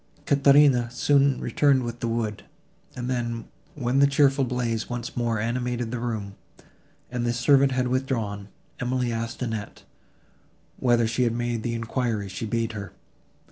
Caterina soon returned with the wood, and then, when the cheerful blaze once more animated the room, and this servant had withdrawn, Emily asked Annette, whether she had made the enquiry she bade her.